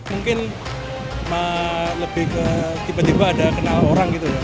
mungkin lebih ke tiba tiba ada kenal orang gitu